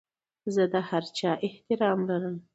زه د هر چا احترام لرم.